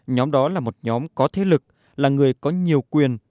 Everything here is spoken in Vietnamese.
nhóm đó là một nhóm có thế lực là người có nhiều quyền